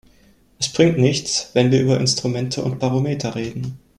Es bringt nichts, wenn wir über Instrumente und Barometer reden.